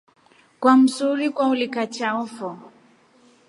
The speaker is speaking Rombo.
Kwa msuri kwaulika chao fo.